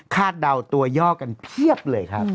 เดาตัวย่อกันเพียบเลยครับ